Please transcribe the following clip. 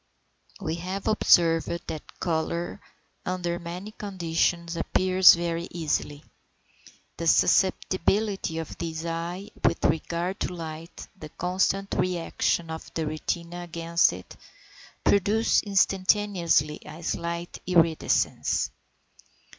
690. We have observed that colour under many conditions appears very easily. The susceptibility of the eye with regard to light, the constant re action of the retina against it, produce instantaneously a slight iridescence.